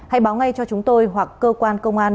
hãy báo ngay cho chúng tôi hoặc cơ quan công an